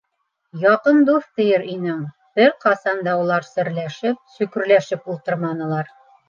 Яҡын дуҫ тиер инең - бер ҡасан да улар серләшеп-сөкөрләшеп ултырманылар.